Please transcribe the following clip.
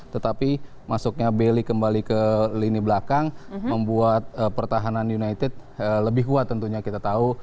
tetapi masuknya bailey kembali ke lini belakang membuat pertahanan united lebih kuat tentunya kita tahu